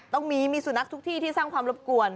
ต้องมีมีสุนัขทุกที่ที่สร้างความรบกวน